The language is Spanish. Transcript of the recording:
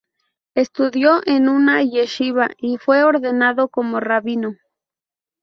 Estudió en una Yeshivá y fue ordenado como rabino.